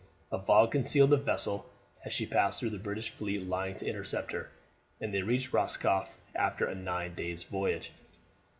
A fog concealed the vessel as she passed through the British fleet lying to intercept her, and they reached Roscoff after a nine days' voyage.